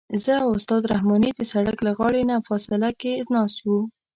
زه او استاد رحماني د سړک له غاړې نه فاصله کې ناست وو.